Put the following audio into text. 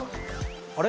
あれ？